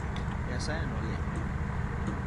Nyasaye nolima.